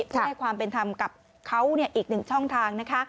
พูดให้ความเป็นธรรมกับเขาอีกหนึ่งช่องทาง